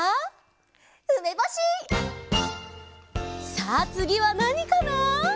さあつぎはなにかな？